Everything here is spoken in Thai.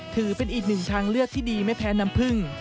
ถือเป็นอีกหนึ่งทางเลือกที่ดีไม่แพ้น้ำผึ้ง